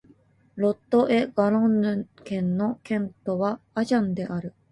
ロット＝エ＝ガロンヌ県の県都はアジャンである